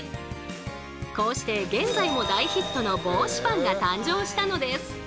こうして現在も大ヒットの帽子パンが誕生したのです。